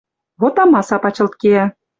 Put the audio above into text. Вот амаса пачылт кеӓ